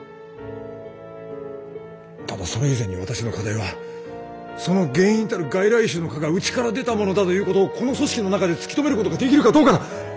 ただそれ以前に私の課題はその原因たる外来種の蚊がうちから出たものだということをこの組織の中で突き止めることができるかどうかだ。